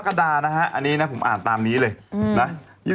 ๒๖กรกฎานะฮะอันนี้ผมอ่านตามนี้เลย